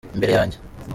imbere yanjye.